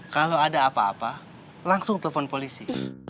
kalau ada apa apa langsung telpon polisi